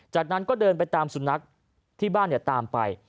จากนั้นก็เดินไปตามสุนัขที่บ้านตามไป